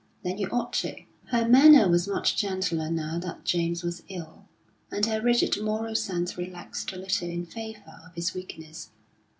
"Then you ought to." Her manner was much gentler now that James was ill, and her rigid moral sense relaxed a little in favour of his weakness.